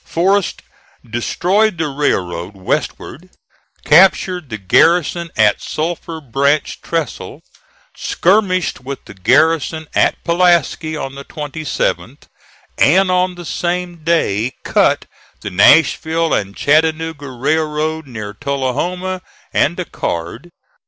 Forrest destroyed the railroad westward, captured the garrison at Sulphur Branch trestle, skirmished with the garrison at Pulaski on the 27th, and on the same day cut the Nashville and Chattanooga Railroad near Tullahoma and Dechard.